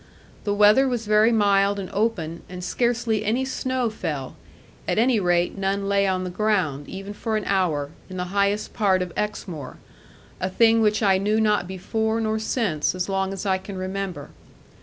The weather was very mild and open, and scarcely any snow fell; at any rate, none lay on the ground, even for an hour, in the highest part of Exmoor; a thing which I knew not before nor since, as long as I can remember.